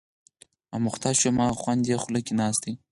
اموخته شو، هماغه خوند یې خوله کې ناست دی.